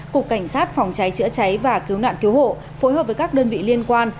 cục cảnh sát phòng cháy chữa cháy và cứu nạn cứu hộ phối hợp với các đơn vị liên quan